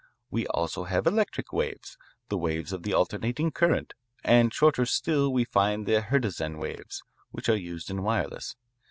We also have electric waves, the waves of the alternating current, and shorter still we find the Hertzian waves, which are used in wireless.